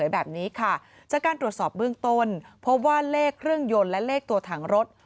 แบบนี้ค่ะจากการตรวจสอบเบื้องต้นพบว่าเลขเครื่องยนต์และเลขตัวถังรถ